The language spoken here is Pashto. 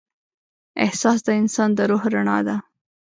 احساس د انسان د روح رڼا ده.